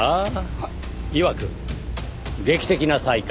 いわく劇的な再会。